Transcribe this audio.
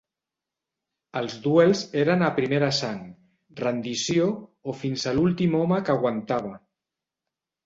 Els duels eren a primera sang, rendició o fins a l'últim home que aguantava.